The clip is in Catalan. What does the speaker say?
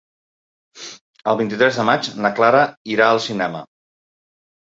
El vint-i-tres de maig na Clara irà al cinema.